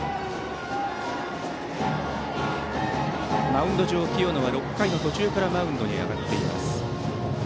マウンド上の清野は６回の途中からマウンドに上がっています。